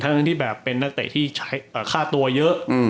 ทั้งที่เป็นนักเตะที่ฆ่าตัวเยอะ